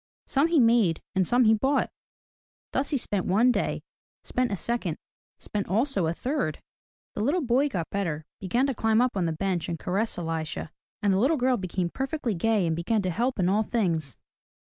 Some he made and some he bought. Thus he spent one day, spent a second, spent also a third. The little boy got better, began to climb up on the bench and caress Elisha. And the little girl became perfectly gay and began to help in all things.